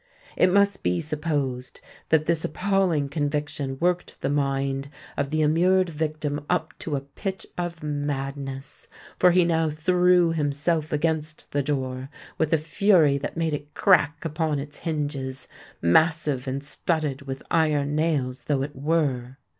It must be supposed that this appalling conviction worked the mind of the immured victim up to a pitch of madness; for he now threw himself against the door with a fury that made it crack upon its hinges—massive and studded with iron nails though it were!